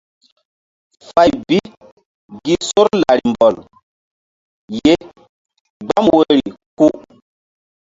Fay bi gi sor lari mbɔl ye gbam woyri ku.